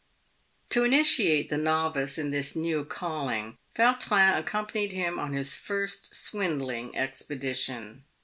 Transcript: To initiate the novice in his new calling, Vautrin accompanied him on his first swindling expedition.